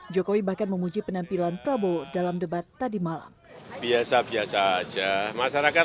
jokowi bahkan memuji penampilan prabowo dalam debat tadi malam